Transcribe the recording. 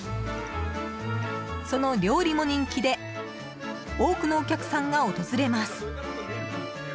その料理も人気で多くのお客さんが訪れます。